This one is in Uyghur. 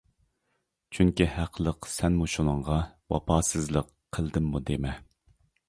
چۈنكى ھەقلىق سەنمۇ شۇنىڭغا، ۋاپاسىزلىق قىلدىممۇ دېمە.